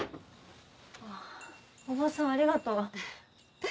ああ叔母さんありがとう。